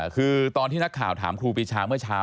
คือตอนที่นักข่าวถามครูปีชาเมื่อเช้า